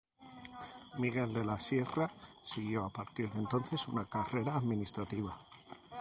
Miguel de la Sierra siguió a partir de entonces una carrera administrativa.